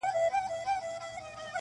زه چي وګورمه تاته په لرزه سم,